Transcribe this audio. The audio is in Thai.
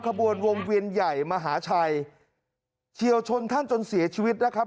ขบวนวงเวียนใหญ่มหาชัยเฉียวชนท่านจนเสียชีวิตนะครับ